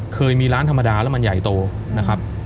เคยมีร้านธรรมดาแล้วมันใหญ่โตนะครับ